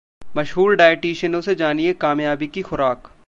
मशहूर डायटिशियनों से जानिए कामयाबी की खुराक